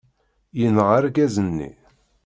Yenɣa argaz-nni.